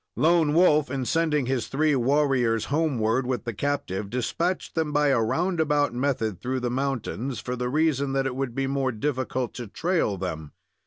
Lone Wolf, in sending his three warriors homeward with the captive, dispatched them by a round about method through the mountains, for the reason that it would be more difficult to trail them.